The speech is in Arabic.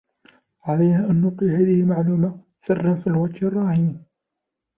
علينا أن نبقي هذه المعلومة سراً في الوقت الراهن.